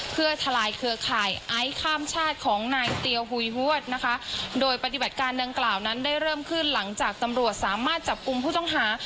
เพื่อทลายเครือข่ายไอซ์ข้ามชาติของนายเตียวหุยฮวดนะคะโดยปฏิบัติการดังกล่าวนั้นได้เริ่มขึ้นหลังจากตำรวจสามารถจับกลุ่มผู้ต้องหา